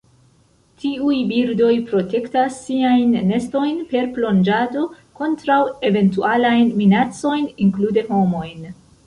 Tiuj birdoj protektas siajn nestojn per plonĝado kontraŭ eventualajn minacojn, inklude homojn.